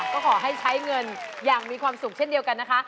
ก็ขอให้ใช้เงินอย่างมีความสุขเช่นเดียวกันนะคะ